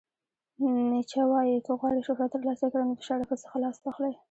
نیچه وایې، که غواړئ شهرت ترلاسه کړئ نو د شرافت څخه لاس واخلئ!